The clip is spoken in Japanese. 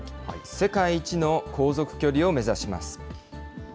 世界一の航続距離を目指します。